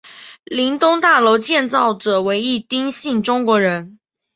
林东大楼建造者为一丁姓中国人。